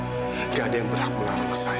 tidak ada yang berhak melarang saya